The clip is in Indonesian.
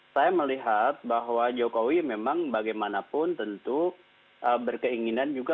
saya melihat bahwa jokowi memang bagaimanapun tentu berkeinginan juga